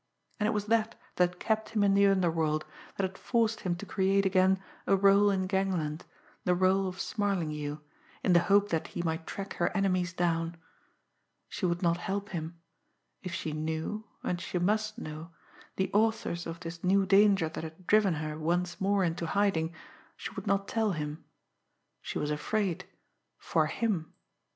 And it was that that kept him in the underworld, that had forced him to create again a rôle in gangland, the rôle of Smarlinghue, in the hope that he might track her enemies down. She would not help him. If she knew, and she must know, the authors of this new danger that had driven her once more into hiding, she would not tell him. She was afraid for him.